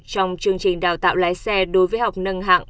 trong chương trình đào tạo lái xe đối với học nâng hạng